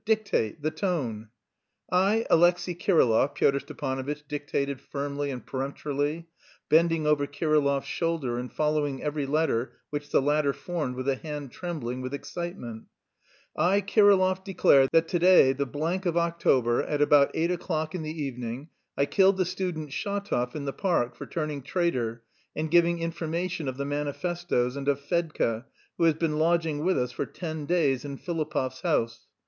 Dictate, the tone." "I, Alexey Kirillov," Pyotr Stepanovitch dictated firmly and peremptorily, bending over Kirillov's shoulder and following every letter which the latter formed with a hand trembling with excitement, "I, Kirillov, declare that to day, the th October, at about eight o'clock in the evening, I killed the student Shatov in the park for turning traitor and giving information of the manifestoes and of Fedka, who has been lodging with us for ten days in Filipov's house.